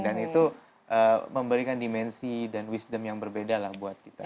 dan itu memberikan dimensi dan wisdom yang berbeda lah buat kita